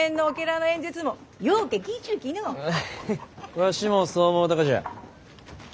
わしもそう思うたがじゃ。